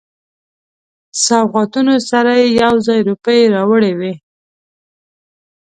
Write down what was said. سوغاتونو سره یو ځای روپۍ راوړي وې.